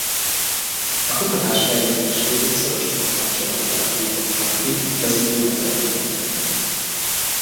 A kutatás-fejlesztés révén szoros munkakapcsolatot alakítottak ki vezető magyar egyetemekkel.